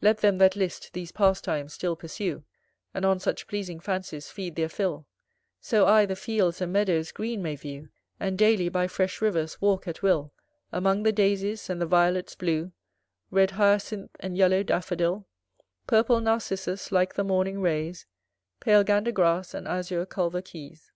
Let them that list, these pastimes still pursue, And on such pleasing fancies feed their fill; So I the fields and meadows green may view, And daily by fresh rivers walk at will Among the daisies and the violets blue, Red hyacinth, and yellow daffodil, Purple Narcissus like the morning rays, Pale gander grass, and azure culver keys.